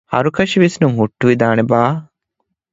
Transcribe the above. ހަރުކަށި ވިސްނުން ހުއްޓުވިދާނެ ބާ؟